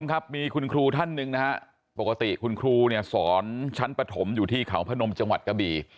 ครับมีคุณครูท่านหนึ่งนะฮะปกติคุณครูเนี่ยสอนชั้นปฐมอยู่ที่เขาพนมจังหวัดกะบี่